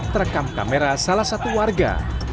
terekam kamera salah satu warga